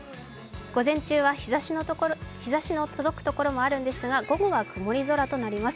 午前中は日ざしの届くところもあるんですが、午後は曇り空となります。